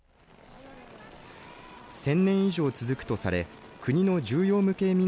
１０００年以上続くとされ国の重要無形民俗